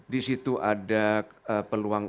di situ ada peluang